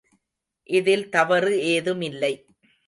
இதில் தவறு ஏதுமில்லை.